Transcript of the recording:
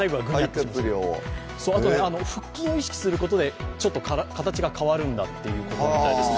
あと、腹筋を意識することでちょっと形が変わるんだということみたいです。